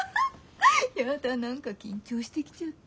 やだ何か緊張してきちゃった。